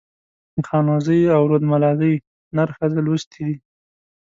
د خانوزۍ او رودملازۍ نر ښځه لوستي دي.